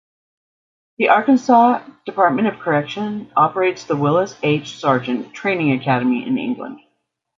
The Arkansas Department of Correction operates the Willis H. Sargent Training Academy in England.